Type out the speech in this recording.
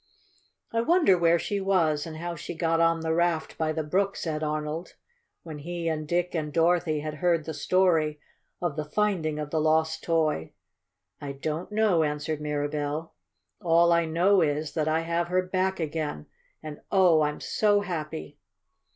"I wonder where she was, and how she got on the raft by the brook," said Arnold, when he and Dick and Dorothy had heard the story of the finding of the lost toy. "I don't know," answered Mirabell. "All I know is that I have her back again, and, oh! I'm so happy!"